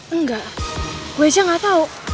enggak gue aja gak tau